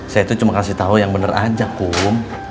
saya itu cuma kasih tahu yang bener aja kum